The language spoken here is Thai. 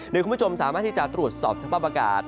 โดยคุณผู้ชมสามารถที่จะตรวจสอบสภาพอากาศ